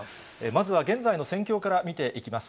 まずは現在の戦況から見ていきます。